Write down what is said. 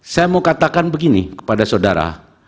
saya mau katakan begini kepada saudara